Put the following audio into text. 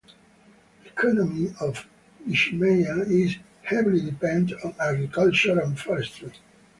The economy of Nishimeya is heavily dependent on agriculture and forestry.